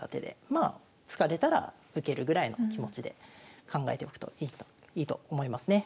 まあ突かれたら受けるぐらいの気持ちで考えておくといいと思いますね。